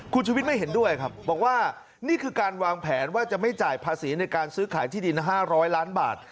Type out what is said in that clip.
คุณชุวิตไม่เห็นด้วยครับบอกว่านี่คือการวางแผนว่าจะไม่จ่ายภาษีในการซื้อขายที่ดิน๕๐๐ล้านบาท